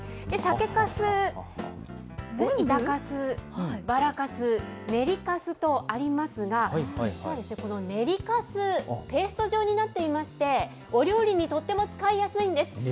酒かす、板かす、バラかす、練りかすとありますが、この練りかす、ペースト状になっていまして、お料理にとても使いやすいんです。